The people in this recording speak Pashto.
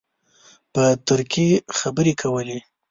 په ترکي خبرې کولې.